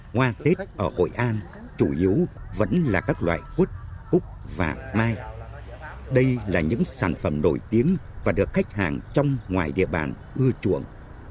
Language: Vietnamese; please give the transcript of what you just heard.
hoa tết ở hội an chủ yếu vẫn là các loại quất úc và mai đây là những sản phẩm nổi tiếng và được khách hàng trong ngoài địa bàn ưa chuộng